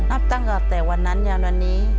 นับตั้งกว่าแต่วันนั้นอย่างวันนี้